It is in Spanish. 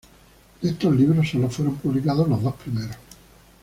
De estos libros, sólo fueron publicados los dos primeros.